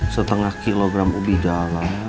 setengah kilogram ubi jala